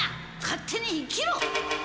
勝手に生きろ！